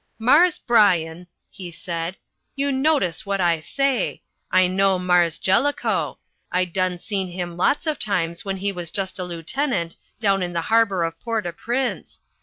"Marse Bryan," he said, "you notice what I say. I know Marse Jellicoe. I done seen him lots of times when he was just a lieutenant, down in the harbour of Port au Prince.